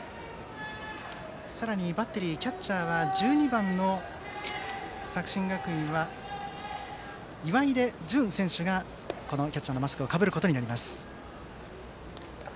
さらにバッテリーキャッチャーは、１２番作新学院は岩出純選手がキャッチャーのマスクをかぶることになります。